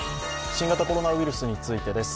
新型コロナウイルスについてです。